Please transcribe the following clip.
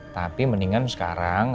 tapi mendingan sekarang